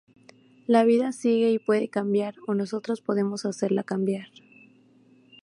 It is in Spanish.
La vida sigue y puede cambiar, o nosotros podemos hacerla cambiar.